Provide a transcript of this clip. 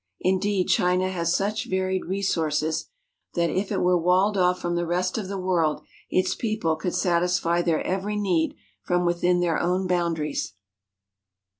Indeed, China has such varied resources that if it were walled off from the rest of the world, its people could satisfy their every need from within their own boundaries.